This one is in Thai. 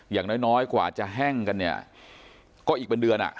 อย่างน้อยขวาจะแห้งกันก็อีกเป็นเดือน